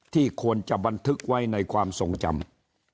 ควรจะบันทึกไว้ในความทรงจำ